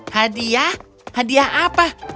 hadiah hadiah apa